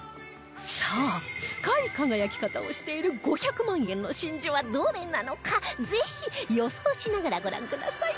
さあ深い輝き方をしている５００万円の真珠はどれなのかぜひ予想しながらご覧ください